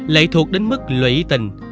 lệ thuộc đến mức lũy tình